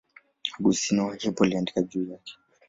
Augustino wa Hippo aliandika juu yake.